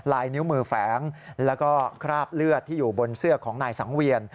ลายนิ้วมือแฝงแล้วก็คราบเลือดที่อยู่บนเสื้อของนายสังเวียน